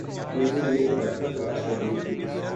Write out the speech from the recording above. مسلم لیگ اپنا راستہ تلاش کررہی تھی۔